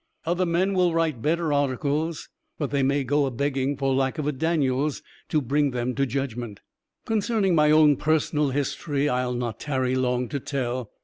Other men will write better articles, but they may go a begging for lack of a Daniels to bring them to judgment. Concerning my own personal history, I'll not tarry long to tell.